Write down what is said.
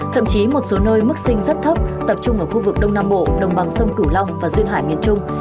thậm chí một số nơi mức sinh rất thấp tập trung ở khu vực đông nam bộ đồng bằng sông cửu long và duyên hải miền trung